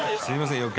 すいません